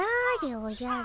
おじゃる！